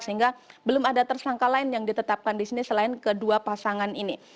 sehingga belum ada tersangka lain yang ditetapkan di sini selain kedua pasangan ini